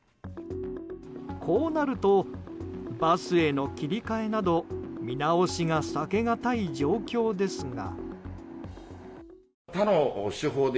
こうなるとバスへの切り替えなど見直しが避けがたい状況ですが。